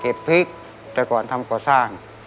พริกแต่ก่อนทำก่อสร้าง